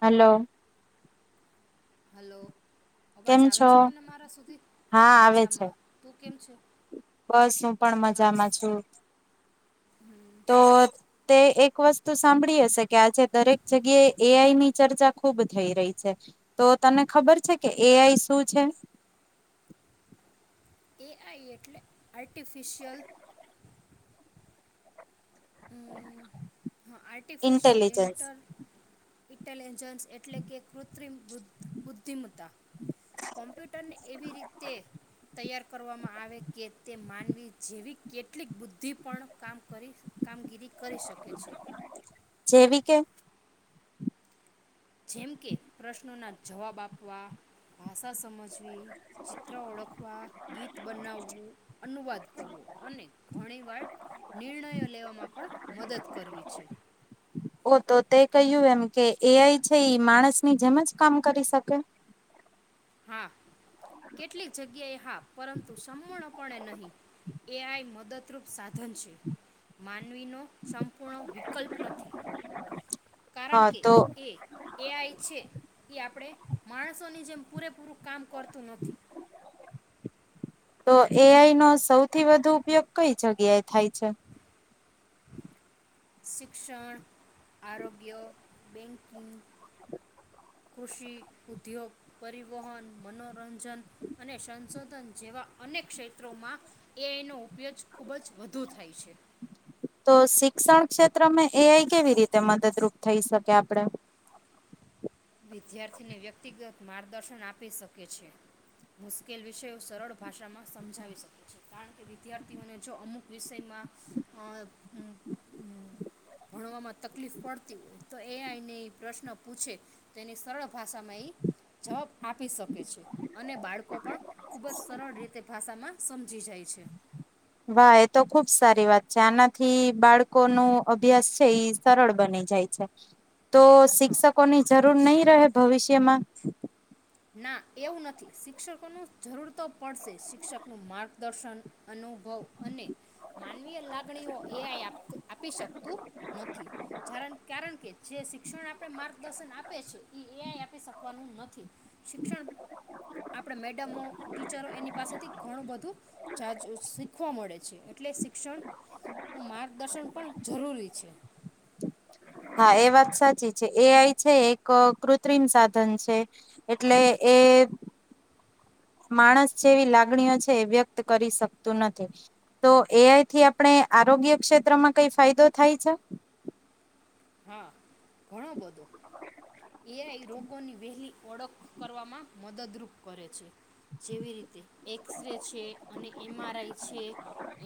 Hello hello- અવાજ કેમ આવે છો છે તોને મારા સુધી હા આવે છે મજામાં ત- કેમ છે. બસ હું પણ હા મજામાં છું. તો તે એક વસ્તુ સાંભળી હશે કે આજે દરેક જગ્યાએ એઆઈ ની ચર્ચા ખુબ થઈ રહી છે તો તને ખબર છે કે એઆઈ શું છે? એઆઈ એટલે આર્ટિફિશિયલ- હા artificial intelligence inter Italy artificial intelligence એટલે કૃત્રિમ બુદ્ધિમત્તા કમ્પ્યુટરને એવી રીતે તૈયાર કરવામાં આવે કે તે માનવી જેવી કેટલીક બુદ્ધિ પણ કામ કરી કામગીરી કરી શકે છે. જેવી કે જેમ કે પ્રશ્નોના જવાબ આપવા ભાષા સમજવી ચિત્ર ઓળખવા ગીત બનાવવું અનુવાદ કરવો અને ઘણી વાર નિર્ણયો લેવામાં પણ મદદ કરવી છે. તો તે કહ્યું એમ કે એ આઈ છે માણસની જેમ જ કામ કરી શકે? હા કેટલીક જગ્યાએ હા પરંતુ સંપૂર્ણપણે નહીં એ આઈ મદદ સાધન છે માન માનવીનો સંપૂર્ણ વિકલ્પ નથી કારણ હા કે તો એ એઆઈ છે એ આપણે માણસોની જેમ પૂરે પૂરુ કામ કરતું નથી. તો એઆઈનો સૌથી વધુ ઉપયોગ કઈ જગ્યાએ થાય છે? શિક્ષણ આરોગ્ય બેંકિંગ કૃષિ ઉદ્યોગ પરિવહન મનોરંજન અને સંશોધન જેવા અનેક ક્ષેત્રોમાં એઆઈ નુ રજ ખૂબ જ વધુ થાય છે. તો શિક્ષણ ક્ષેત્રમાં એ કેવી રીતે મદદરૂપ થઈ શકે આપડે વિદ્યાર્થીને વ્યક્તિગત માર્ગદર્શન આપી શકે છે મુશ્કેલ વિષયો સરળ ભાષામાં સમજાવી શકે છે કારણ કે વિદ્યાર્થીઓને જો અમુક વિષયમાં ભણવામાં તકલીફ પડતી હોય તો એને પ્રશ્ન પૂછે. તેની સરળ ભાષામાં એ જવાબ આપી શકે છે. અને બાળકો પણ ખૂબ જ સરળ રીતે ભાષામાં સમજી જાય છે. વાહ એ તો ખુબ સારી વાત છે આનાથી બાળકોનું અભ્યાસ છે સરળ બની જાય છે. તો હા શિક્ષકો ની જરૂર નહી? ભવિષ્યમાં ના એવું નથી શિક્ષકોનુ જરૂર તો પડશે શિક્ષકનું માર્ગ દર્શન અનુભવ અને માનવીય લાગણીઓ એ આઈ આપત આપી શકતું નથીણ કારણ કે જે શિક્ષણ આપણે માર્ગદર્શન આપે છે એઆ આપી શકવાનું નથી. થી શિક્ષણ આપણે મેડમો ટીચરો એની પાસેથી ઘણું બધું જા શીખવા મળે છે એટલે શિક્ષણ મા દર્શન પણ જરૂરી છે હા એ વાત સાચી છે એ આઈ છે એક કૃત્રિમ સાધન છે એટલે એ માણસ જેવી લાગણીઓ છે એ વ્યક્ત કરી શકતું નથી તો એઆઈ થી આપણે આરોગ્ય ક્ષેત્રમાં કઈ ફાયદો થાય છે હા ઘણો બધો એઆઈ રોગોની વહેલી ઓળખ કરવામાં મદદરૂપ કરે છે જેવી રીતે એક્સ ર છે અને એમઆરઆઈ છે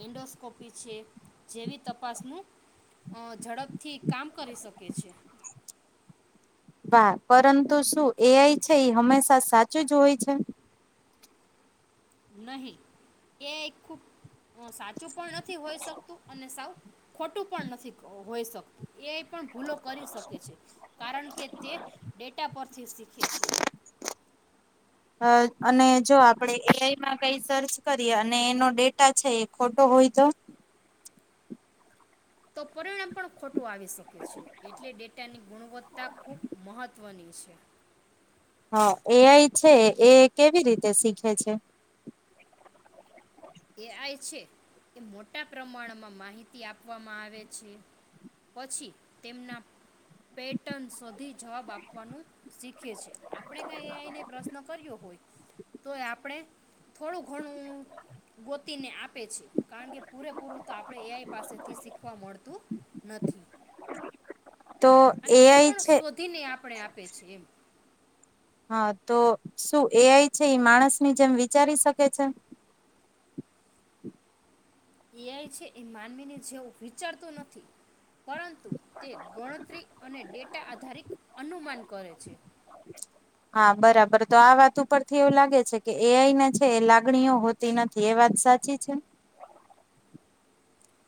એન્ડોસ્કોપી છે જેવી તપાસનું ઝડપ ઠક કરી શકે છે વા પરંતુ શું એઆઈ છે એ હંમેશા સાચું જ હોય છે નહી એ ખૂબ સાચું પણ નથી હોઈ શકતું અને સાવ ખોટું પણ નથી હોઈ શકતું એ પણ ભૂલો કરી શકે છે કારણ કે તે ડેટા પરથી શીખે છે અ અને જો આપણેે એઆઈમાં કઈ સર્ચ કરીએ અને એનો ડેટા છે એ ખોટો હોય તો તો પરિણામ પણ ખોટું આવી શકે છે એટલે ડેટાની ગુણવત્તા ખૂબ મહત્વની છે હા એઆઈ છે એ કેવી રીતે શીખે છે એ આઈ છે એ મોટા પ્રમાણમાં માહિતી આપવામાં આવે છે પછી તેમના પેટન સુધી જવાબ આપવાનું શીખે છે આપણે કઈ એ આઈને પ્રશ્ન કર્યો હોય તો આપણે થોડું ઘણું ગોતીને આપે છે કારણ કે પૂરેપૂરું તો આપણે એઆઈ પાસેથી શીખવા મળતું નથી તો અને એ એઆઈ પણ છે શોધીને આપણે આપે છે એમ હા તો શું એઆઈ છે એ માણસ ની જેમ વિચારી શકે છે એ છે એ માનવીને જેવું વિચારતું નથી પરુ તે ગણતરી અને ડેટા આધારિત અનુમાન કરે છે હા બરાબર તો આ વાત ઉપર થી એવું લાગે છે કે એ અઈને છે એ લાગણીઓ હોતી નથી એ વાત સાચી છે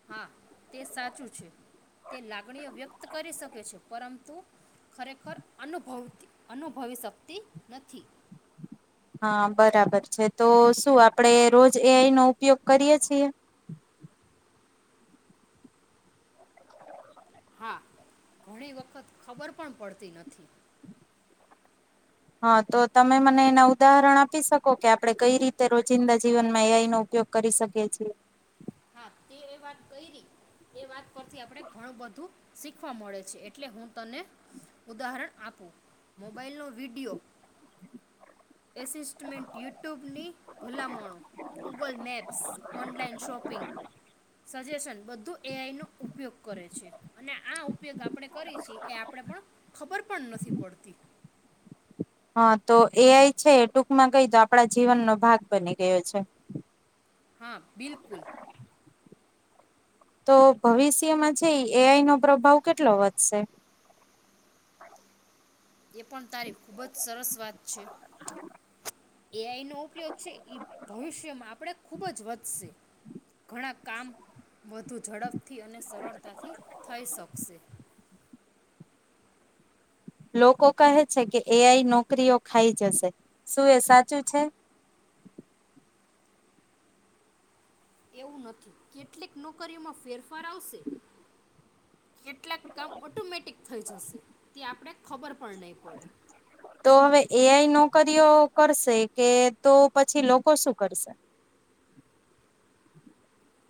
હા તે સાચું છે તે લાગણીઓ વ્યક્ત કરી શકે છે પરંતુ ખરેખર અનુભવતી અનુભવી શકતી નથી હા બરાબર છે તો શું આપડે રોજ એઆઈ નો ઉપયોગ કરીય છીએ હા ઘણી વખત ખબર પણ પડતી નથી હા તો તમે મને એના ઉદાહરણ આપી શકો કે આપડણે કઈ રીતે રોજિંદા જીવનમાં એઈ નો ઉપયોગ કરી શકીએ છીએ તે એ વાત કઈ ર એ વાત ઉપથી આપણે ઘણું બધું શીખવા મળે છે એટલે હું તને ઉદાહરણ આપું મોબાઈલ નો વિડીિયોમેન્ટ યુટ્યુબની ભલામણો Google maps online shopping suggestion બધું એઆઈનો ઉપ ઉપયોગ કરે છે અને આ ઉપયોગ આપણે કરી છી એ આપણેે પણ ખબર પણ નથી પડતી હા તો એ છે ટૂંકમાં કહી તો આપણા જીવનનોો ભાગ બની ગયો છે હા બિકુલ તો ભવિષ્યમાં છે એઆઈ નો પ્રભાવ કેટલો વધશે એ પણ તારી ખૂબ જ સરસ વાત છે એઆઈ નો ઉપયોગ છે એ ભવિષ્યમાં આપણે ખૂબ જ વધશે ઘણા કામ વધુ ઝડપથી અને સરળતાથી થઈ શકશે લોકો કહે છે કે એઆઈ નોકરીઓ ખાઈ જશે શું એ સાચું છે એવું નથી કેટલીક નોકરીઓમાં ફેરફાર આવશે કેટલાક કામ ઓટોમેટિક થઈ જશે તે આપણે ખબર પણ નહી પડે કરીઓ કરશે કે તો પછી લોકો શું કરશે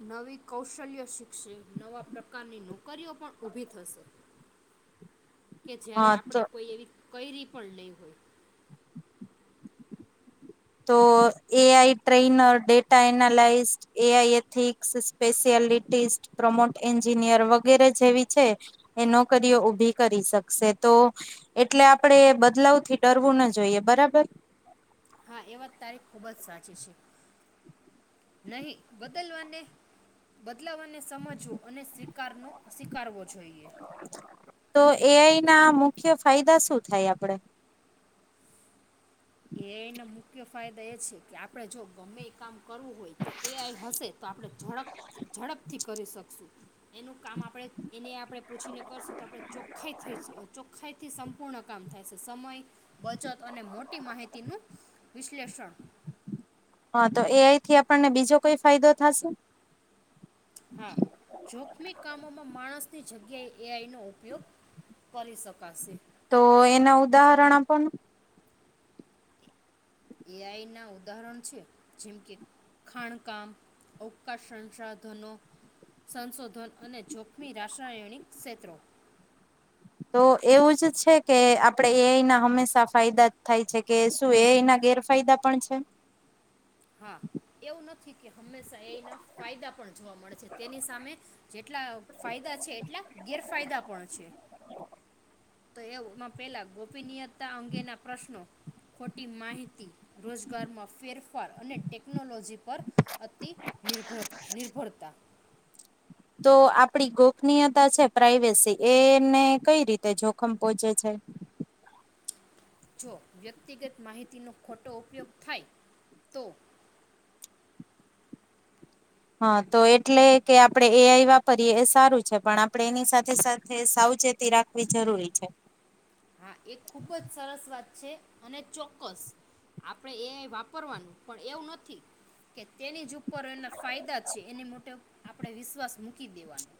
નવી કૌશલ્ય શીખશે નવા પ્રકારની નોકરીઓ પણ ઉઊભી થશે કે જય્યારે હા તો આપણે કોઈ એવી કઈ રી પડલે હોય તો A I trainer, data analyst, A I ethics, specialist, prompt engineer વગેરે જેવી છે એ નોકરીઓ ઊભી કરી શકશે તો એટલે આપણેે બદલાવ થી ડરવું ન જોઈએ બરાબર. હા, એ વાત તારી ખુબ જ સાચી છે નહી બદલવાને બ તલાવને સમજવો અને સ્વીકારનો સ્વીકારવો જોઈએ. એ આઈ ના મુખ્ય ફાયદા શું થાય આપડે? એ આઈ ના મુખ્ય ફાયદા એ છે કે આપડે જો ગમે એ કામ કરવું હોય તો એ આઈ હશે તો આપડે ઝડપ ઝડપથી કરી શકશું. એનું કામ આપણે એને આપણે પૂછીને કરશું તો આપડણે ચોખ્ખા થઈ છું ચોખ્ખાઈ થી સંપૂર્ણ કામ થાય છે સમય, બચત અને મોટ વિશ્લેષણ. હા તો એ આઈ થી આપણને બીજો કોઈ ફાયદો થાશે? હા, જોખમી કામોમાં માણસની જગ્યાએ એ આઈ નો ઉપયોગ કરી શકાશે. તો એના ઉદાહરણ આપો ની. એ આઈ ના ઉદાહરણ છે જેમ કે ખાણકામ, અવકાશ સંસાધનો, સંશોધન અને જોખમી રાસાયણિક ક્ષેત્રો. તો એવું જ છે કે આપડે એ અના હંમેશા ફાયદા જ થાય છે કે. શું એ અના ગેરફાયદા પણ છે? હા, એવું નથ. થી કે હંમેશા એ આઈ ના ફાયદા પણ જોવા મળે છે તેની સામે જેટલા ફાયદા છે એટલા ગેરફાયદા પણ છે. તો એઓમાં પેલા ગોપનીયતા અંગેના પ્રશ્નો, ખોટી માહિતી, રોજગારમાં ફેરફ ફાર અને ટેકનોલોજી પર અતિ નિર્ભર નિર્ભરતા. તો આપડી ગોપનીયતા છે પ્રાઈવેસી એને કઈ રીતે જોખમ પોહોંચે છે? જો વ્યક્તિગત માહિતીનો ખોટો ઉપયોગ થાય તો હા, તો એટલે કે આપણે એ આઈ વાપરીએ એ સારું છે પણ આપણે એની સાથે સાથે સાવચેતી રાખવી જરૂરી છે. હા, એ ખુબ જ સરસ વાત છે અને ચોક્કસ આપણે એ આઈ વાપરવાનું પણ એવું નથી કે તેની જ ઉપર એના ફાયદા છે એની માટે આપણે વિશ્વાસ મૂકી દેવાનો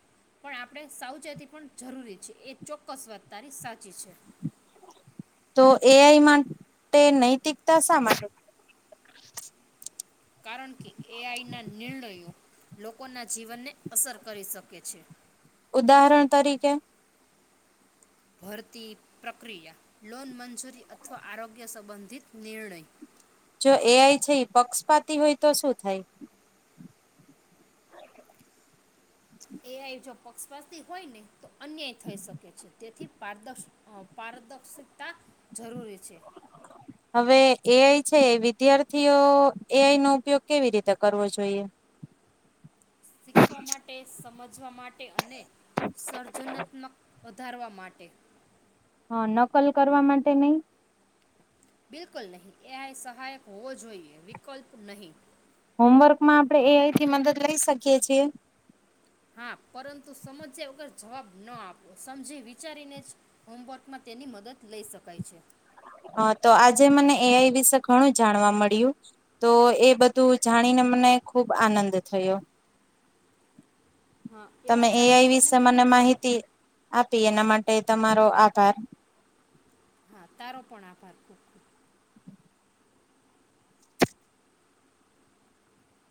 પણ આપણે સાવચેતી પણ જરૂરી છે એ ચોક્કસ વાત તારી સાચી છે. તો એ આઈ માટે નૈતિકતા શા માટે? કારણ કે એ આઈ ના નિર્ણયો લોકોના જીવનને અસર કરી શકે છે. ઉદાહરણ તરીકે. ભરતી પ્રક્રિયા, લોન મંજૂરી અથવા આરોગ્ય સંબંધિત નિર્ણય. જો એ આઈ છે પક્ષપાતી હોય તો શું થાય? એ આઈ જો પક્ષપાતી હોયને તો અન્યાય થઈ શકે છે તેથી પારદક્ષ અ પારદક્ષિતા જરૂરી છે. હવે એ આઈ છે વિદ્યાર્થીઓ એ આઈ નો ઉપયોગ કેવી રીતે કરવો જોઈએ? શીખવા માટે, સમજવા માટે અને સર્જનાત્મક વધારવા માટે. હા, નકલ કરવા માટે નઈ? બિલકુલ નહીં. એ સહાયક હોવો જોઈએ વિકલ્પ નહી. હોમવર્કમાં આપણે એ આઈ થી મદદ લઈ શકીએ છીએ? હા, પરંતુ સમજ્યા વગર જવાબ ન આપો સમજી વિચારીને જ હોમવર્કમાં તેની મદદ લઈ શકાય છે. હા, તો આજે મને એ આઈ વિશે ઘણું જાણવા મળ્યું તો એ બધું જાણીને મને ખુબ આનંદ થયો. હા તમે વાત એ સાચી આઈ છે અને વિશે મને માહિતી આપ પી એના માટે તમારો આભાર. હા, તારો પણ આભાર ખુબ ખબ.